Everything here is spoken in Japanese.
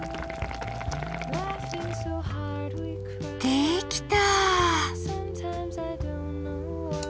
できた！